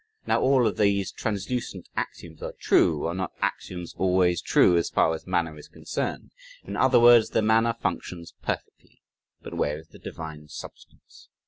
Now all of these translucent axioms are true (are not axioms always true?), as far as manner is concerned. In other words, the manner functions perfectly. But where is the divine substance?